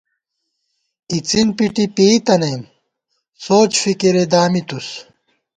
اِڅِن پِٹی پېئ تَنَئیم ، سوچ فِکِرے دامِتُوس